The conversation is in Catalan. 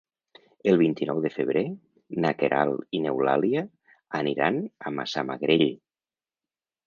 El vint-i-nou de febrer na Queralt i n'Eulàlia aniran a Massamagrell.